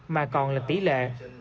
mà còn là tỷ lệ